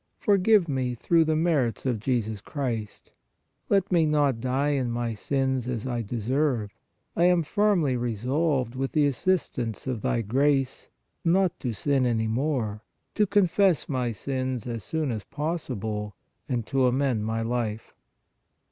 Forgive me through the merits of Jesus Christ. Let me not die in my sins as I deserve. I am firmly resolved, with the assistance of Thy grace, not to sin any more, to confess my sins as soon as possible and to amend my life.